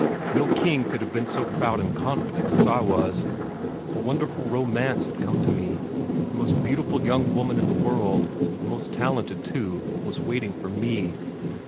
No king could have been so proud and confident as I was. A wonderful romance had come to me. The most beautiful young woman in the world, the most talented too, was waiting for me.